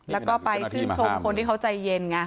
แล้วก็ไปชื่นชมคนที่เขาใจเย็นไง